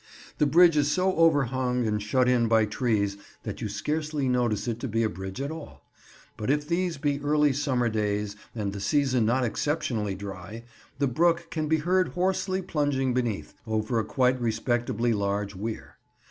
The bridge is so overhung and shut in by trees that you scarcely notice it to be a bridge at all; but if these be early summer days and the season not exceptionally dry, the brook can be heard hoarsely plunging beneath, over a quite respectably large weir.